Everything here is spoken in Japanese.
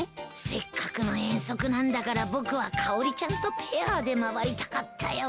せっかくの遠足なんだから僕はかおりちゃんとペアで回りたかったよ。